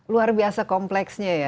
luar biasa kompleksnya ya